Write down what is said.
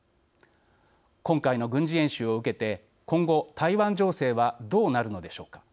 今回の軍事演習を受けて今後、台湾情勢はどうなるのでしょうか。